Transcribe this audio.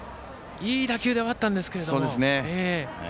いい打球ではあったんですけれど。